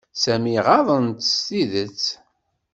Sami ɣaḍen-t s tidet.